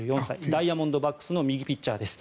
ダイヤモンドバックスの右ピッチャーです。